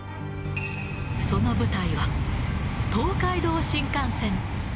その舞台は、東海道新幹線。